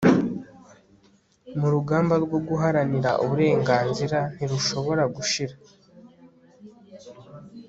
mu rugamba rwo guharanira uburenganzira ntirushobora gushira